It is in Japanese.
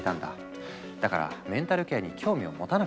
だからメンタルケアに興味をもたなかった。